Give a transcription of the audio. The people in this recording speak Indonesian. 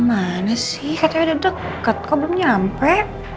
mana sih katanya udah deket kok belum nyampe